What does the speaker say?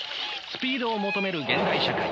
スピードを求める現代社会。